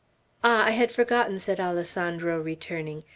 "Ah, I had forgotten," said Alessandro, returning.